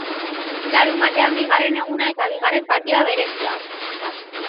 Larunbatean bigarren eguna eta bigarren partida berezia.